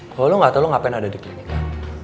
kalau lo nggak tau lo ngapain ada di klinika